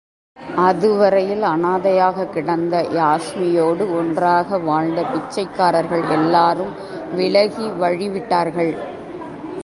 அதுவரையில் அனாதையாகக் கிடந்த யாஸ்மியோடு ஒன்றாக வாழ்ந்த பிச்சைக் காரர்கள் எல்லாரும் விலகி வழிவிட்டார்கள்.